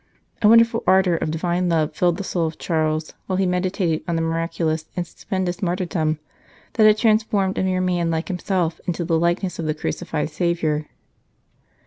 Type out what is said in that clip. A wonderful ardour of Divine love filled the soul of Charles while he meditated on the miraculous and stupendous martyrdom that had transformed a mere man like himself into the likeness of the crucified Saviour.